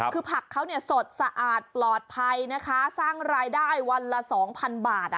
คือผักเขาสดสะอาดปลอดภัยสร้างรายได้วันละ๒๐๐๐บาท